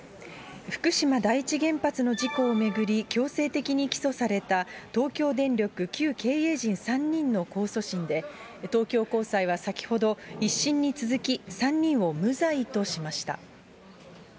福島第一原発の事故を巡り、強制的に起訴された、東京電力旧経営陣３人の控訴審で、東京高裁は先ほど、１審に続き、３人を無罪としました。